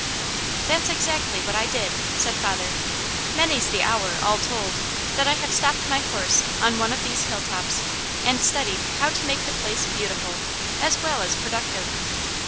"That's exactly what I did," said father. "Many's the hour, all told, that I have stopped my horse on one of these hilltops and studied how to make the place beautiful, as well as productive.